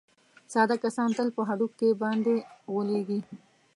ساده کسان تل په هډوکي باندې غولېږي.